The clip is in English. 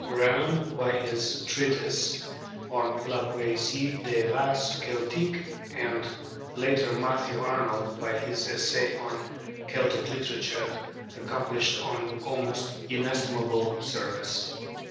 Renan by his treatise on 'La Poésie des Races Celtiques,' and later Matthew Arnold by his essay on 'Celtic Literature,' accomplished an almost inestimable service.